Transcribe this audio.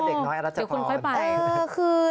โอ้โฮเด็กน้อยอาจจะพอคุณค่อยไปคือ